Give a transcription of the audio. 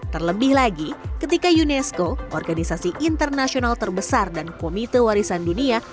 terlebih lagi ketika unesco organisasi internasional terbesar dan komite warisan dunia